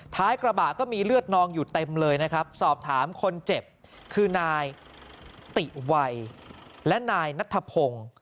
ท้ายกระบะก็มีเลือดนองอยู่เต็มเลยนะครับสอบถามคนเจ็บคือนายติวัยและนายนัทพงศ์